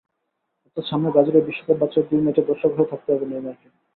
অর্থাৎ সামনে ব্রাজিলের বিশ্বকাপ বাছাইয়ের দুই ম্যাচে দর্শক হয়ে থাকতে হবে নেইমারকে।